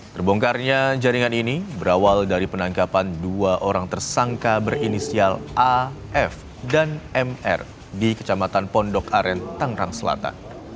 terbongkarnya jaringan ini berawal dari penangkapan dua orang tersangka berinisial af dan mr di kecamatan pondok aren tangerang selatan